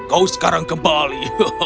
kau sekarang kembali